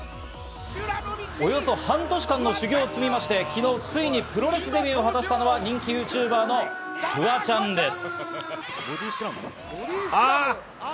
およそ半年間の修業を積みまして、ついに昨日、プロレスデビューを果たしたのは人気ＹｏｕＴｕｂｅｒのフワちゃんです。